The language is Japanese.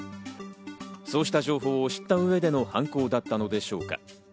そうした情報を知った上での犯行だったのでしょうか。